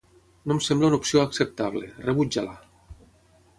No em sembla una opció acceptable. Rebuja-la!